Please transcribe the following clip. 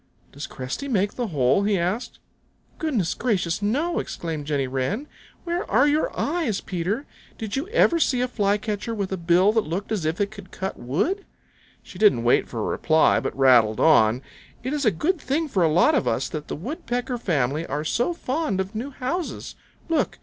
"Does Cresty make the hole?" he asked. "Goodness gracious, no!" exclaimed Jenny Wren. "Where are your eyes, Peter? Did you ever see a Flycatcher with a bill that looked as if it could cut wood?" She didn't wait for a reply, but rattled on. "It is a good thing for a lot of us that the Woodpecker family are so fond of new houses. Look!